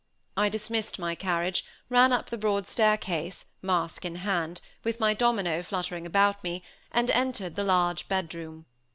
I dismissed my carriage, ran up the broad stair case, mask in hand, with my domino fluttering about me, and entered the large bedroom.